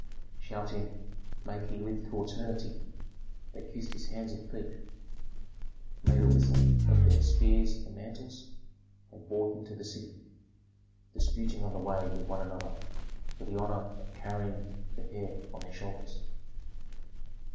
Shouting "May he live through eternity!" they kissed his hands and feet, made a litter of their spears and mantles, and bore him to the city, disputing on the way with one another for the honor of carrying the heir on their shoulders.